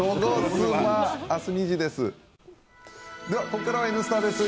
ここからは「Ｎスタ」です。